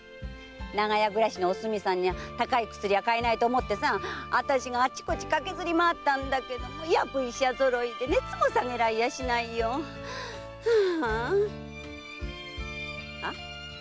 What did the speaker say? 長屋暮らしのおすみさんには高い薬は買えないと思ってあちこちかけずり回ったけどやぶ医者ぞろいで熱も下げられやしないよ！はあぁあ？